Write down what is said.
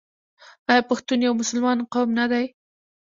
آیا پښتون یو مسلمان قوم نه دی؟